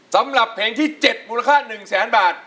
สำหรับเพลงที่๗มูลค่า๑แสนบาท